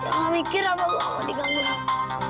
dia gak mikir apa gue mau diganggu